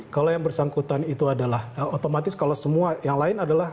kalau yang bersangkutan itu adalah otomatis kalau semua yang lain adalah